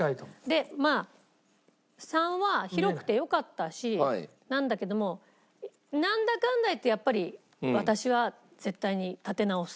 でまあ３は広くてよかったしなんだけどもなんだかんだ言ってやっぱり私は絶対に建て直す。